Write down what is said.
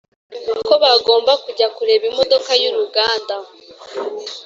ko bagomba kujya kureba imodoka yuruganda